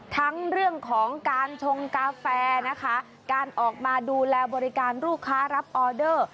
ทั้งเรื่องของการชงกาแฟนะคะการออกมาดูแลบริการลูกค้ารับออเดอร์